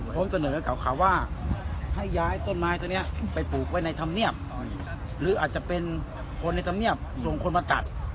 ผมเสนอข่าวว่าให้ย้ายต้นไม้ตัวนี้ไปปลูกไว้ในธรรมเนียบหรืออาจจะเป็นคนในธรรมเนียบส่งคนมาตัด